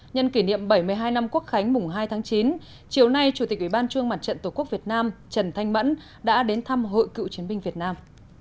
nhân kỷ niệm bảy mươi hai năm quốc khánh mùng hai tháng chín chiều nay chủ tịch ubnd tổ quốc việt nam trần thanh mẫn đã đến thăm hội cựu chiến binh việt nam